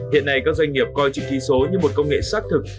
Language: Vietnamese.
hiện nay các doanh nghiệp coi chữ ký số như một công nghệ xác thực